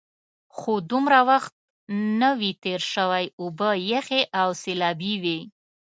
خو دومره وخت نه وي تېر شوی، اوبه یخې او سیلابي وې.